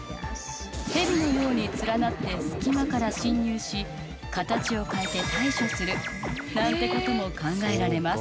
ヘビのように連なって隙間から進入し形を変えて対処するなんてことも考えられます。